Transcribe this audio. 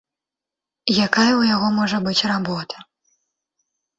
Якая ў яго можа быць работа?